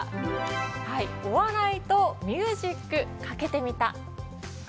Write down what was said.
お笑いとミュージックかけてみた。